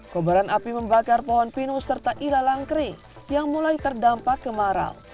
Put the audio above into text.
kobaran api membakar pohon pinus serta ilalang kering yang mulai terdampak kemarau